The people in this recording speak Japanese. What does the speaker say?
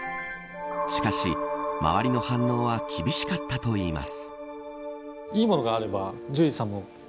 しかし、周りの反応は厳しかったといいます。